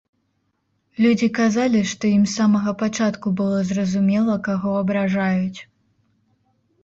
Людзі казалі, што ім з самага пачатку было зразумела, каго абражаюць.